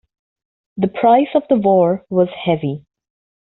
The price of the war was heavy.